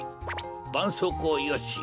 ばんそうこうよし。